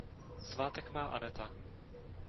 Svátek má Aneta.